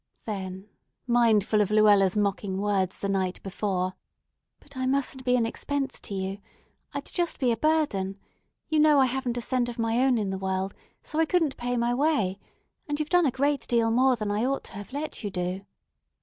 Then, mindful of Luella's mocking words the night before: "But I musn't be an expense to you. I'd just be a burden. You know I haven't a cent of my own in the world; so I couldn't pay my way, and you've done a great deal more than I ought to have let you do."